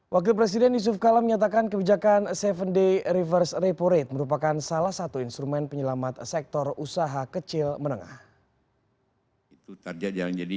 wakil presiden yusuf kala menyatakan kebijakan tujuh day reverse repo rate merupakan salah satu instrumen penyelamat sektor usaha kecil menengah